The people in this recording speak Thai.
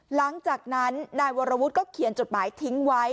หลังจากนั้นนายวรวุฒิก็เขียนจดหมายทิ้งไว้